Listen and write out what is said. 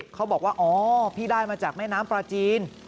เขาบอกว่าอ๋อพี่ได้มาจากแม่น้ำปลาจีน